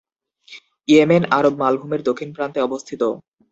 Yemen আরব মালভূমির দক্ষিণ প্রান্তে অবস্থিত।